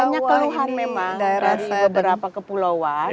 banyak kelehan memang dari beberapa kepulauan